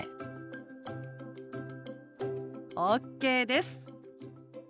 ＯＫです。